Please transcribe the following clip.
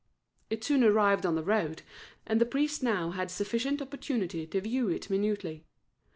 It soon arrived on the road, and the priest now had sufficient opportunity to view it minutely.